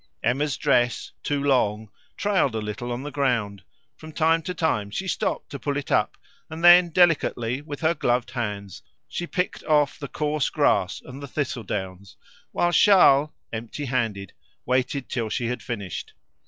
Emma's dress, too long, trailed a little on the ground; from time to time she stopped to pull it up, and then delicately, with her gloved hands, she picked off the coarse grass and the thistledowns, while Charles, empty handed, waited till she had finished.